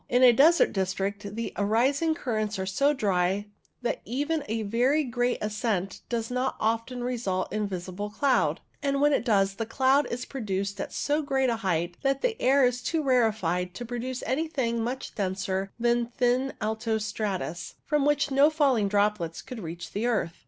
In a desert district the arising currents are so dry that even a very great ascent does not often result in visible cloud ; and when it does, the cloud is produced at so great a height that the air is too rarefied to produce anything much denser than thin alto stratus, from which no falling droplets could reach the earth.